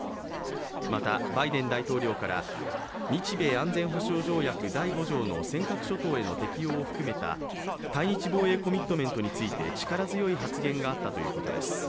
また、バイデン大統領から日米安全保障条約第５条の尖閣諸島への適用を含めた対日防衛コミットメントについて力強い発言があったということです。